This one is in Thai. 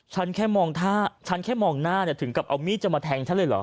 ฉันแค่มองหน้าถึงกลับเอามีดจะมาแทงฉันเลยเหรอ